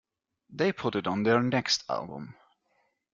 They put it on their next album.